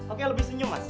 oke lebih senyum mas